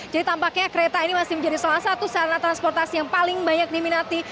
jadi tampaknya kereta ini masih menjadi salah satu sarana transportasi yang paling banyak diminati